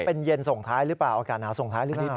เป็นเย็นส่งท้ายหรือเปล่าอากาศหนาวส่งท้ายหรือเปล่า